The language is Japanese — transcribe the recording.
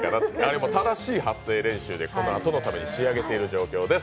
でも、正しい発声練習で、このあとのために仕上げている状況です。